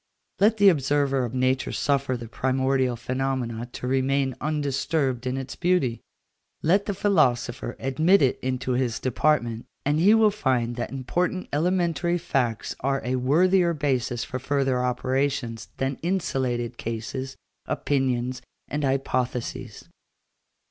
Let the observer of nature suffer the primordial phenomenon to remain undisturbed in its beauty; let the philosopher admit it into his department, and he will find that important elementary facts are a worthier basis for further operations than insulated cases, opinions, and hypotheses.